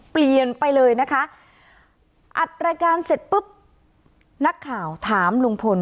เปลี่ยนไปเลยนะคะอัดรายการเสร็จปุ๊บนักข่าวถามลุงพล